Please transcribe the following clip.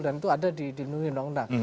dan itu ada di undang undang